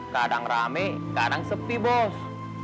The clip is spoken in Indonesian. kadang rame kadang sepi bos